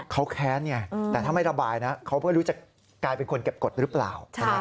เขาแค้นไงแต่ถ้าไม่ระบายนะเขาไม่รู้จะกลายเป็นคนเก็บกฎหรือเปล่า